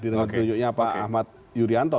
di tengah ditunjuknya pak ahmad yurianto